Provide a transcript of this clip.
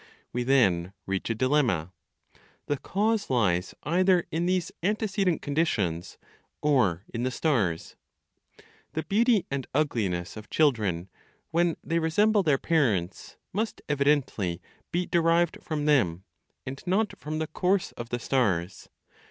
We then reach a dilemma: the cause lies either in these antecedent conditions, or in the stars. The beauty and ugliness of children, when they resemble their parents, must evidently be derived from them, and not from the course of the stars.